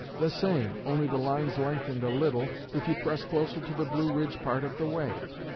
The same, only the lines lengthened a little, if you press closer to the Blue Ridge part of the way.